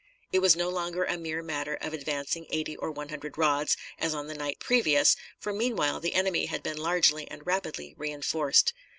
It was no longer a mere matter of advancing eighty or one hundred rods, as on the night previous, for meanwhile the enemy had been largely and rapidly re enforced.